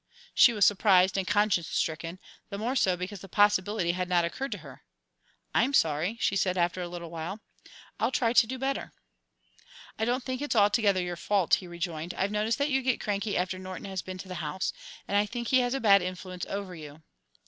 She was surprised and conscience stricken; the more so because the possibility had not occurred to her. "I'm sorry," she said after a little. "I'll try to do better." "I don't think it's altogether your fault," he rejoined. "I've noticed that you get cranky after Norton has been to the house, and I think he has a bad influence over you."